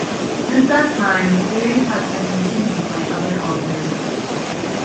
Since that time, the series has been continued by other authors.